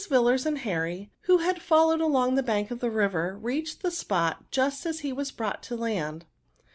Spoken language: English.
Yillars and Harry, who had followed along the bank of the river, reached the spot just as he was brought to land.